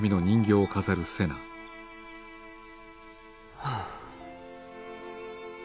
はあ。